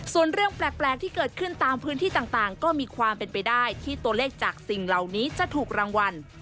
ส่วนเรื่องแปลกที่เกิดขึ้นตามพื้นที่ต่างก็มีความเป็นไปได้ที่ตัวเลขจากสิ่งเหล่านี้จะถูกรางวัล